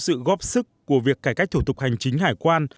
sự góp sức của việc cải cách thủ tục hành chính hải quan